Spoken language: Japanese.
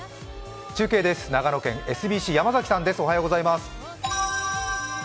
中継です、長野県、ＳＢＣ・山崎さんです。